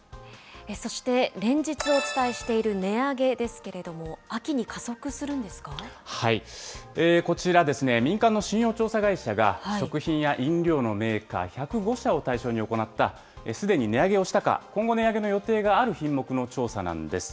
そして連日お伝えしている値上げですけれども、秋に加速するこちら、民間の信用調査会社が、食品や飲料のメーカー１０５社を対象に行った、すでに値上げをしたか、今後値上げの予定がある品目の調査なんです。